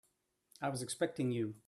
I was expecting you.